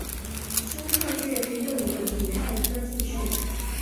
清顺治十六年己亥科进士。